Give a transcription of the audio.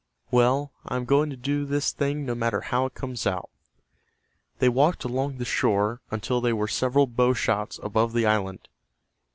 Well, I am going to do this thing no matter how it comes out." They walked along the shore until they were several bow shots above the island.